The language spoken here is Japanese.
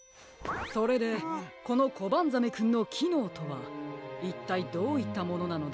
それでこのコバンザメくんのきのうとはいったいどういったものなのですか？